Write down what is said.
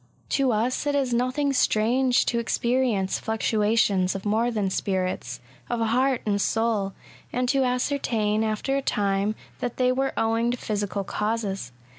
To us it is nothing strange to experience fluctua tions of more than spirits — of heart and soul, and to ascertain, after a time, that they were owing to physical causes.